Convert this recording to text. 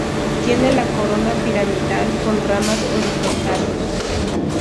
Tiene la corona piramidal con ramas horizontales.